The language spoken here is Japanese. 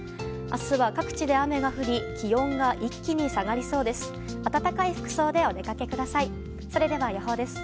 明日は各地で雨が降り気温が一気に下がりそうです。